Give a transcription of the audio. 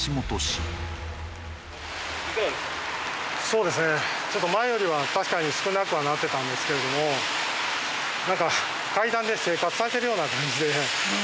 そうですねちょっと前よりは確かに少なくはなってたんですけれどもなんか階段で生活されてるような感じで。